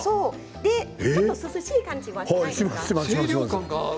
ちょっと涼しい感じがしますよね。